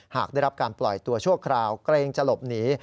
หากได้รับการปล่อยตัวชั่วคราวเกรงจะหลบหนี